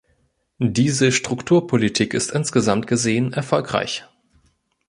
Diese Strukturpolitik ist insgesamt gesehen erfolgreich.